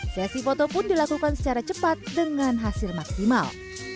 sesi foto pun dilakukan secara cepat dengan hasil maksimal